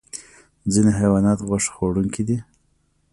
ځینې حیوانات غوښه خوړونکي دي